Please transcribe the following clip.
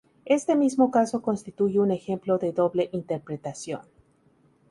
Este mismo caso constituye un ejemplo de doble interpretación.